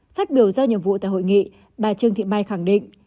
phát biểu do nhiệm vụ tại hội nghị bà trương thị mai khẳng định